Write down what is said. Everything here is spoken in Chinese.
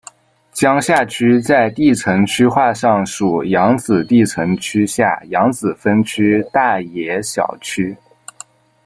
江夏区在地层区划上属扬子地层区下扬子分区大冶小区。